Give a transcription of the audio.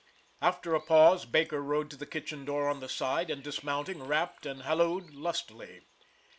After a pause, Baker rode to the kitchen door on the side, and dismounting, rapped and halloed lustily.